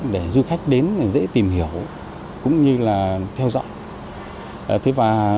để du khách đến dễ tìm hiểu cũng như là theo dõi